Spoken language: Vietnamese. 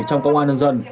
trong công an nhân dân